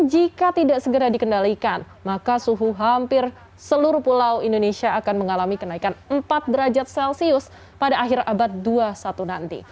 jika tidak segera dikendalikan maka suhu hampir seluruh pulau indonesia akan mengalami kenaikan empat derajat celcius pada akhir abad dua puluh satu nanti